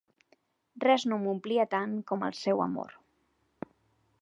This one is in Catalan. Res no m'omplia tant com el seu amor.